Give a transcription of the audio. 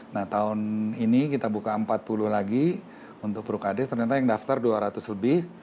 nah tahun ini kita buka empat puluh lagi untuk prukades ternyata yang daftar dua ratus lebih